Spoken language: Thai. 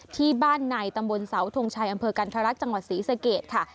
ที่บ้านในตำบลเสาทงชัยอำเภอกันทรรักจังหวัดศรีสเกตค่ะ